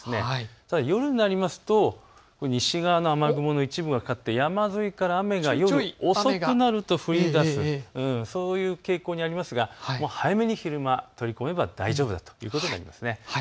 ただ夜になりますと西側の雨雲が一部かかって山沿いから遅くなると降りだす、そういう傾向にありますが早めに昼間、取り込めば大丈夫だということです。